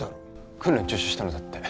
訓練中止したのだって